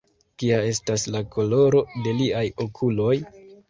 Kia estas la koloro de liaj okuloj?